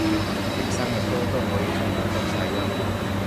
連生日歌都可以唱到走晒音